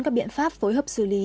các biện pháp phối hợp xử lý